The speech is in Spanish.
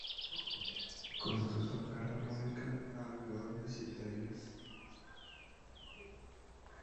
Comenzó a tocar la armónica a la edad de siete años.